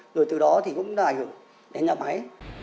rồi từ đó thì cũng đã ảnh hưởng đến nhà máy